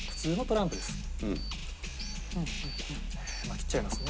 切っちゃいますね。